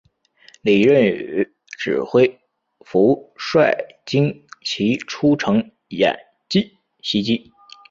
李任与指挥顾福帅精骑出城掩击袭击。